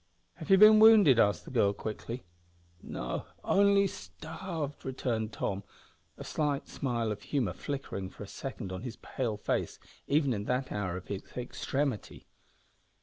"Have you been wounded!" asked the girl, quickly. "No; only starved!" returned Tom, a slight smile of humour flickering for a second on his pale face even in that hour of his extremity.